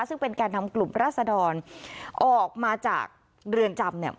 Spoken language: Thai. ซึ่งเป็นการทำกลุ่มราชธรรมน์ออกมาจากเรือนจำเนี้ย